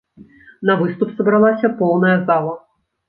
На выступ сабралася поўная зала!